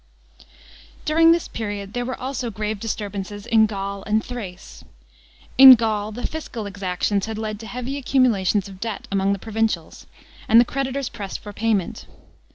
§ 18. During this period there were also grave disturbances in Gaul and Thrace. In Gaul the fiscal exactions had led to heavy accumulations of debt among the provincials, and the creditors pressed for payment.